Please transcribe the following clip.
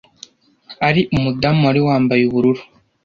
Ari umudamu wari wambaye ubururu?